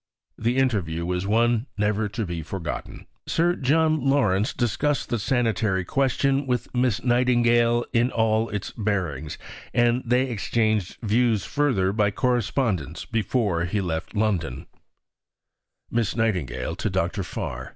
The interview was one never to be forgotten." Sir John Lawrence discussed the sanitary question with Miss Nightingale in all its bearings, and they exchanged views further by correspondence before he left London: (_Miss Nightingale to Dr. Farr.